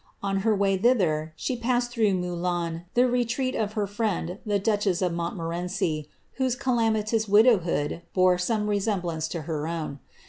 On her way thither, she passed through 3IouIins, the retreat of her friend, tlie duchess of Mont morenci* whose calamitous widowhood bore some resemblance to her own.